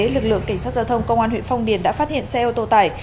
lực lượng cảnh sát giao thông công an huyện phong điền đã phát hiện xe ô tô tải